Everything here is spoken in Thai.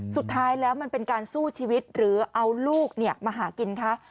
สุดท้ายแล้วมันเป็นการสู้ชีวิตหรือเอาลูกมาหากินคะ